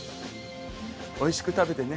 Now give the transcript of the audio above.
おいしく食べてね。